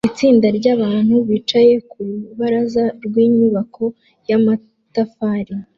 Itsinda ryabantu bicaye ku rubaraza rwinyubako yamatafari